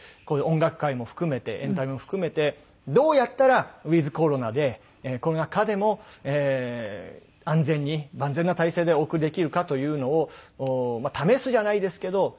こういう音楽界も含めてエンタメも含めてどうやったらウィズコロナでコロナ禍でも安全に万全な体制でお送りできるかというのを試すじゃないですけど。